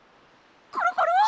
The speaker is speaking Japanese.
コロコロ